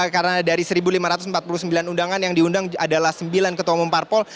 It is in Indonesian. karena dari seribu lima ratus empat puluh sembilan undangan yang diundang adalah sembilan ketua umum parpol